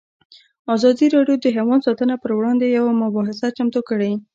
ازادي راډیو د حیوان ساتنه پر وړاندې یوه مباحثه چمتو کړې.